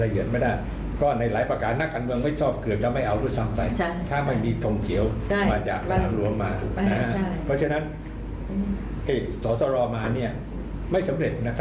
เฮ้ยนักการมือผู้ดีกว่ากรับผู้เสียโภวะอ่ะ